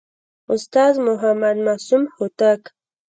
استاد محمد معصوم هوتک